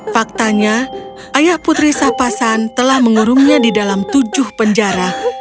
faktanya ayah putri sapasan telah mengurungnya di dalam tujuh penjara